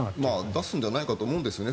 出すんじゃないかと思うんですね。